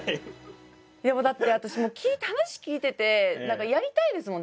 いやもうだって私話聞いてて何かやりたいですもん